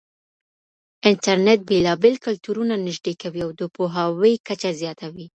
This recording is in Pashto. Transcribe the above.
انټرنېټ بېلابېل کلتورونه نږدې کوي او د پوهاوي کچه زياتوي.